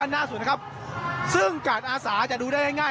หน้าสุดนะครับซึ่งการอาสาจะดูได้ง่ายง่าย